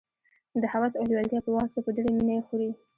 د هوس او لېوالتیا په وخت کې په ډېره مینه یې خوري.